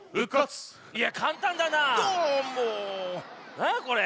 なんだこれ？